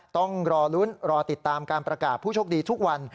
ต้องรอลุ้นรอติดตามการประกาศผู้โชคดีทุกวัน